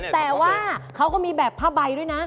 แต่ว่าเขาก็มีแบบผ้าใบด้วยนะ